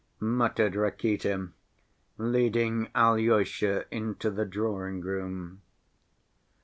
muttered Rakitin, leading Alyosha into the drawing‐room.